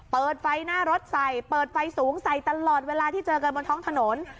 เปิดไฟหน้ารถใส่เปิดไฟสูงใส่ตลอดเวลาที่เจอกันบนท้องถนน